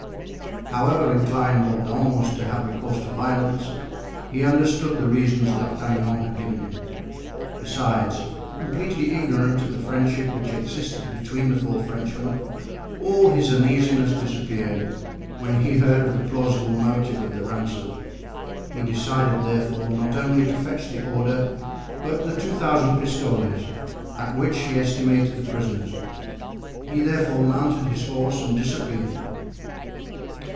However inclined Mordaunt was to have recourse to violence, he understood the reasons D'Artagnan had given him; besides, completely ignorant of the friendship which existed between the four Frenchmen, all his uneasiness disappeared when he heard of the plausible motive of the ransom. He decided, therefore, not only to fetch the order, but the two thousand pistoles, at which he estimated the prisoners. He therefore mounted his horse and disappeared.